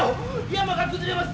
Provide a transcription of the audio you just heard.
山が崩れます！